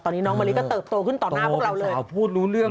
ตอนนี้น้องมะลิก็เติบโตขึ้นต่อหน้าพวกเราเลย